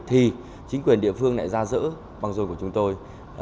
thì chính quyền địa phương lại ra giỡn bằng dôi của chúng tôi